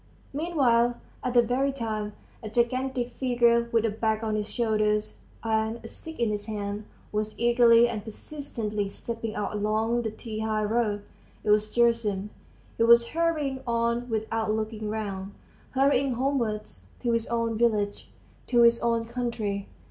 Meanwhile, at that very time, a gigantic figure with a bag on his shoulders and a stick in his hand, was eagerly and persistently stepping out along the T high road. It was Gerasim. He was hurrying on without looking round; hurrying homewards, to his own village, to his own country.